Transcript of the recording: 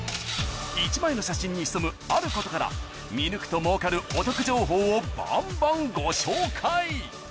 １枚の写真に潜むあることから見抜くともうかるお得情報をバンバンご紹介！